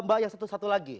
mbak yang satu satu lagi